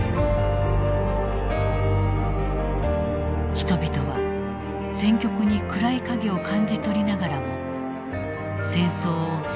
人々は戦局に暗い影を感じ取りながらも戦争を支持し続けた。